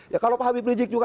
ya kalau pak habib rizik juga